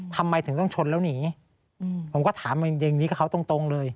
ทำไมถึงต้องชนแล้วหนีผมก็ถามอย่างนี้กับเขาตรงตรงเลย